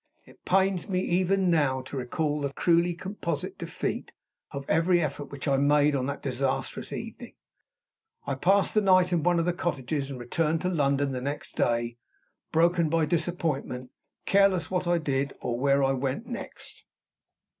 It pains me even now to recall the cruelly complete defeat of every effort which I made on that disastrous evening. I passed the night in one of the cottages; and I returned to London the next day, broken by disappointment, careless what I did, or where I went next.